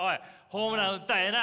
ホームラン打ったらええな。